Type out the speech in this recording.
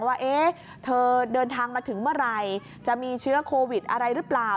ว่าเธอเดินทางมาถึงเมื่อไหร่จะมีเชื้อโควิดอะไรหรือเปล่า